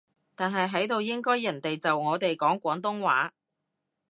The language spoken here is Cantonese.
但係喺度應該人哋就我哋講廣東話